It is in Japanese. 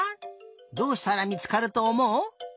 どうしたらみつかるとおもう？